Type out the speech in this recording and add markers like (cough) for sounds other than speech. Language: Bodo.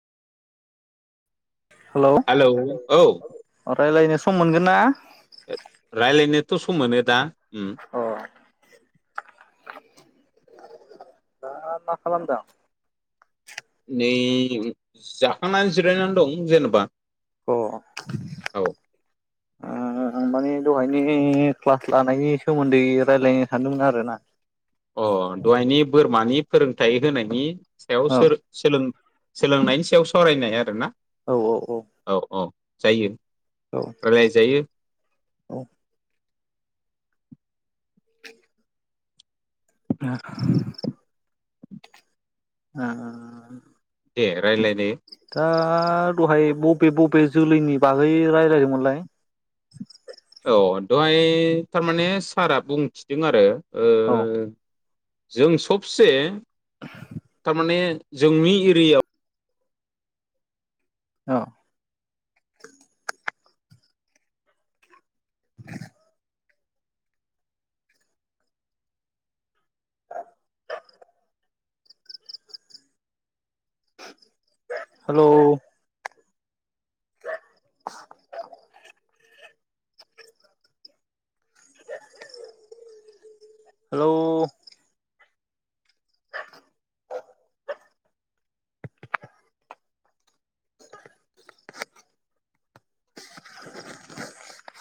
हेल' हेलौ औ रायलायनो सम मोनगोन ना? रायजलायनोथ' सम मोनो दा अ' दा मा खालामदों। नै जाखांनानै जिरायनानै दं जेनेबा अ' औ आं माने दहायनि क्लास लानायनि सोमोन्दै रायजलायनो सानदोंमोन आरो ना। अ' दहायनि बोरमानि फोरोंथाइ होनायनि सायाव औ सोर सोलों सोलोंनायनि सायाव सावरायनाय आरोना। औ - औ - औ। औ - औ जायो। औ। रायलाय जायो। ओ (inaudible) (unintelligible) (unintelligible) दे रायजलायनो दा दहाय बबे बबे जोलैनि बागै रायलायदोंमोनलाय। औ दहाय थारमाने सारआ बुंथिदों आरो ओ औ जों सबसे थारमाने जोंनि एरियायाव औ। (inaudible) Hello (unintelligible) hello. (inaudible)